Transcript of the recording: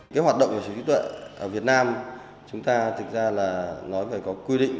cái hoạt động của sở hữu trí tuệ ở việt nam chúng ta thực ra là nói về có quy định